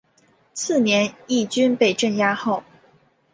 次年义军被镇压后。